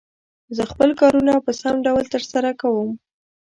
زه خپل کارونه په سم ډول تر سره کووم.